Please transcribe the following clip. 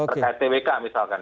pertanyaan twk misalkan